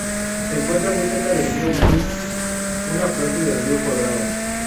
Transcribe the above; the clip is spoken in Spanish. Se encuentra muy cerca del río Green, un afluente del río Colorado.